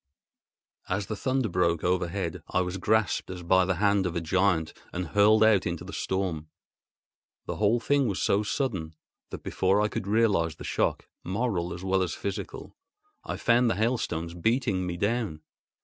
As the thunder broke overhead, I was grasped as by the hand of a giant and hurled out into the storm. The whole thing was so sudden that, before I could realise the shock, moral as well as physical, I found the hailstones beating me down.